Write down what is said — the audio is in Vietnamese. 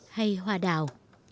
hay hoa đào